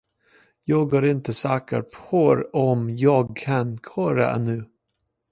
Jag är inte säker på om jag kan köra ännu.